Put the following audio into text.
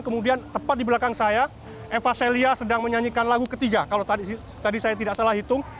kemudian tepat di belakang saya eva celia sedang menyanyikan lagu ketiga kalau tadi saya tidak salah hitung